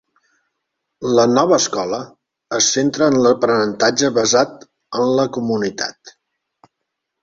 La Nova Escola es centra en l'aprenentatge basat en la comunitat.